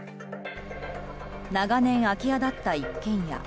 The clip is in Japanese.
長年、空き家だった一軒家。